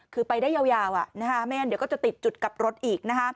คือไปได้ยาวไม่งั้นเดี๋ยวก็จะติดจุดกลับรถอีก